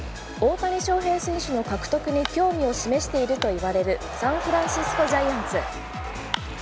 大谷翔平選手の獲得に興味を示していると言われるサンフランシスコ・ジャイアンツ。